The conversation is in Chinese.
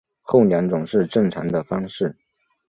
后两种是正常的方式。